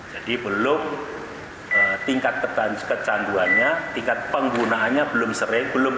jadi belum tingkat kecanduannya tingkat penggunaannya belum sering